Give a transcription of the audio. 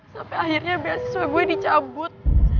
sampai akhirnya beasiswa gue dicabut